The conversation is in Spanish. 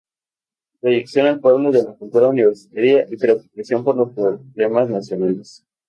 Proyección al pueblo de la cultura universitaria y preocupación por los problemas nacionales".